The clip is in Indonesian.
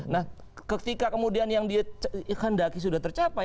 nah ketika kemudian yang dia kehendaki sudah tercapai